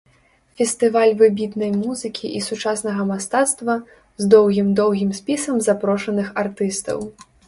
Фестываль выбітнай музыкі і сучаснага мастацтва, з доўгім-доўгім спісам запрошаных артыстаў.